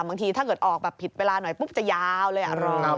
บางทีถ้าเกิดออกผิดเวลาหน่อยปุ๊บจะยาวเลยอ่ะ